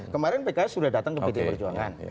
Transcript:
kemarin pks sudah datang ke pdi perjuangan